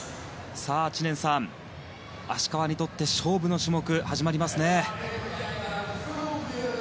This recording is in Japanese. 知念さん、芦川にとって勝負の種目が始まりますね。